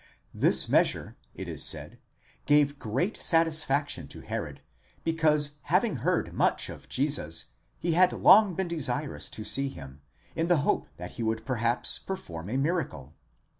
This measure, it is said, gave great satisfaction to Herod, because having heard much of Jesus, he had long been desirous to see him, in the hope that he would perhaps perform a miracle.